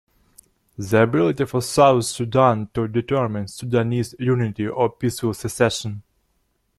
The ability for South Sudan to determine Sudanese unity or peaceful secession.